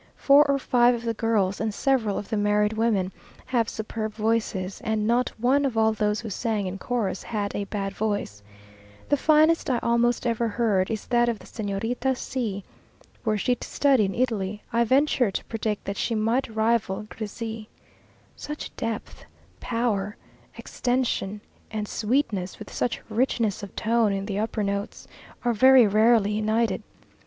Four or five of the girls, and several of the married women, have superb voices; and not one of all those who sang in chorus had a bad voice. The finest I almost ever heard is that of the Señorita C . Were she to study in Italy, I venture to predict that she might rival Grisi. Such depth, power, extension, and sweetness, with such richness of tone in the upper notes, are very rarely united.